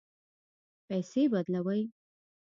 پیسې بدلوئ؟